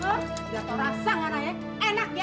udah tau rasa ngana ya enak ya